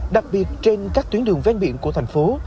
đặc biệt trên các tuyến đường ven biển của thành phố